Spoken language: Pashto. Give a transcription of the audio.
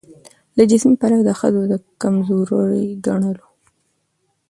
له جسمي پلوه د ښځو د کمزوري ګڼلو